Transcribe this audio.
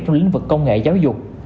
trong lĩnh vực công nghệ giáo dục